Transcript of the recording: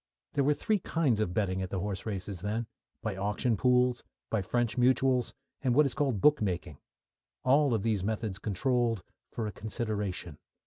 There were three kinds of betting at the horse races then by auction pools, by French mutuals, and by what is called bookmaking all of these methods controlled "for a consideration."